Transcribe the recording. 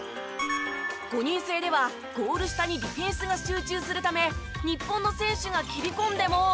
５人制ではゴール下にディフェンスが集中するため日本の選手が切り込んでも。